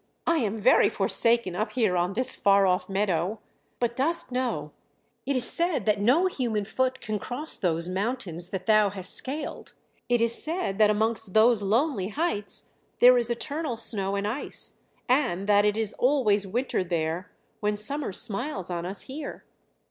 I am very forsaken up here on this far off meadow. But dost know, it is said that no human foot can cross those mountains that thou hast scaled; it is said that amongst those lonely heights there is eternal snow and ice, and that it is always winter there when summer smiles on us here."